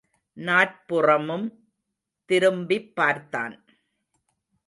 நாற்புறமும் திரும்பிப் பார்த்தான்.